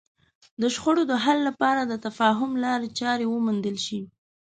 د شخړو د حل لپاره د تفاهم لارې چارې وموندل شي.